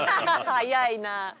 早いな。